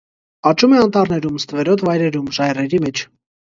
Աճում է անտառներում, ստվերոտ վայրերում, ժայռերի մեջ։